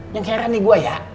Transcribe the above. yang heran nih gue ya